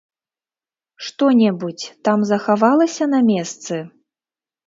Што-небудзь там захавалася на месцы?